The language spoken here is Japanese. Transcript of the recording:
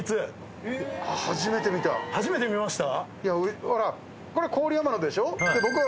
初めて見ました？